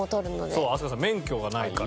そう飛鳥さん免許がないから。